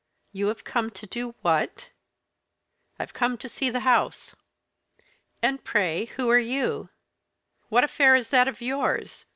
"You have come to do what?" "I've come to see the house." "And pray who are you?" "What affair is that of yours?